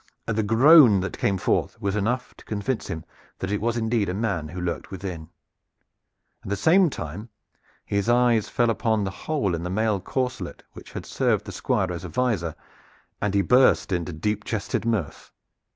The groan that came forth was enough to convince him that it was indeed a man who lurked within. At the same time his eyes fell upon the hole in the mail corselet which had served the Squire as a visor, and he burst into deep chested mirth.